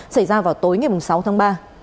xảy ra vào tối ngày sáu tháng ba